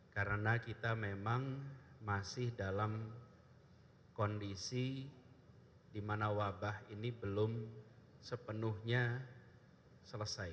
karena kita memang masih dalam kondisi di mana wabah ini belum sepenuhnya selesai